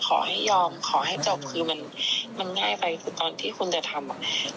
คือมันได้ไปคือตอนที่คุณจะทำ